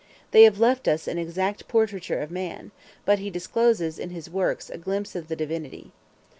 They have left us an exact portraiture of man; but he discloses in his works a glimpse of the Divinity.